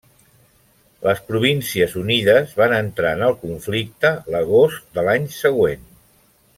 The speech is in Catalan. Les Províncies Unides van entrar en el conflicte l'agost de l'any següent.